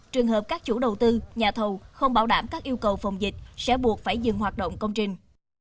trường hợp các chủ đầu tư nhà thầu không bảo đảm các yêu cầu phòng dịch sẽ buộc phải dừng hoạt động công trình